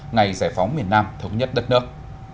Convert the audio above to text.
ngày giải phóng miền nam thống nhất đất nước